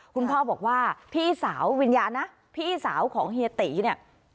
คุณพ่อบอกว่าพี่สาววิญญาณนะพี่สาวของเฮียตีเนี่ย